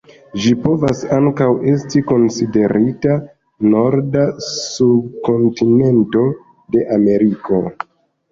Ĝi povas ankaŭ esti konsiderita norda subkontinento de Ameriko.